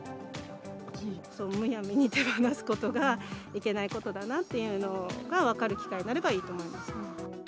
むやみに手を出すことがいけないことだなっていうのが分かる機会になればいいと思います。